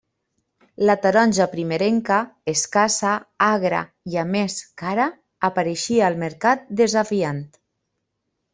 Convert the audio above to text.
La taronja primerenca, escassa, agra, i a més cara, apareixia al mercat desafiant.